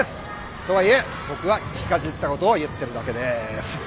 とはいえ僕は聞きかじった事を言ってるだけです。